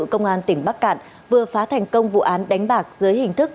công an tỉnh bắc cạn vừa phá thành công vụ án đánh bạc dưới hình thức